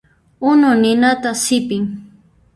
Unu ninata sipin.